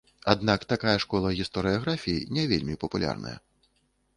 Аднак такая школа гістарыяграфіі не вельмі папулярная.